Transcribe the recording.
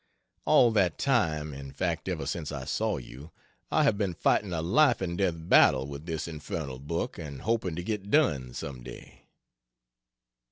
All that time in fact ever since I saw you I have been fighting a life and death battle with this infernal book and hoping to get done some day.